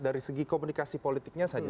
dari segi komunikasi politiknya saja